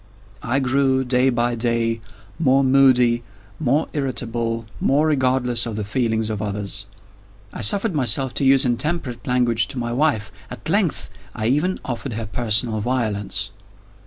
I grew, day by day, more moody, more irritable, more regardless of the feelings of others. I suffered myself to use intemperate language to my wife. At length, I even offered her personal violence.